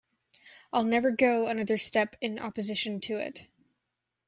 I'll never go another step in opposition to it.